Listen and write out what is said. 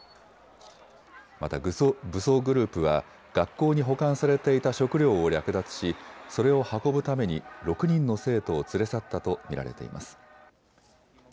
また武装グループは学校に保管されていた食料を略奪しそれを運ぶために６人の生徒を連れ去ったと見られています。